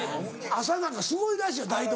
朝なんかすごいらしいよ台所。